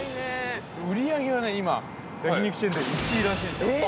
売り上げが、今焼き肉チェーン店で１位らしいんですよ。